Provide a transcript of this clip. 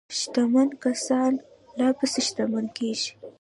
شتمن کسان لا پسې شتمن کیږي.